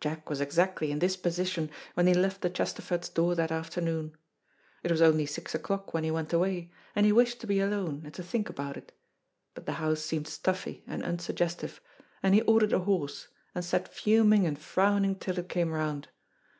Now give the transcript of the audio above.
Jack was exactly in this position when he left the Chesterfords' door that afternoon. It was only six o'clock when he went away, and he wished to be alone, and to think about it. But the house seemed stuffy and unsuggestive, and he ordered a horse, and sat fuming and frowning till it came round.